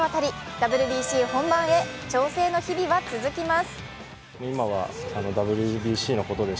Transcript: ＷＢＣ本番へ調整の日々は続きます。